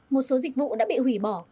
một số dịch vụ đã bị hủy bỏ